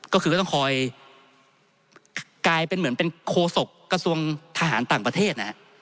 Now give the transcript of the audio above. ก็คือก็ต้องคอยกลายเป็นเหมือนเป็นโคศกกระทรวงทหารต่างประเทศนะฮะ